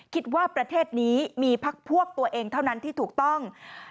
คิดว่าประเทศนี้มีพักพวกตัวเองเท่านั้นที่ถูกต้อง